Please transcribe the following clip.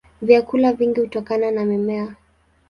Vyakula vingi hutokana na mimea.